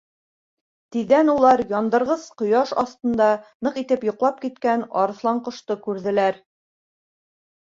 Тиҙҙән улар яндырғыс ҡояш аҫтында ныҡ итеп йоҡлап киткән Арыҫланҡошто күрҙеләр.